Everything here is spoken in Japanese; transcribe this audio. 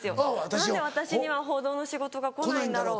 「何で私には報道の仕事が来ないんだろう？」。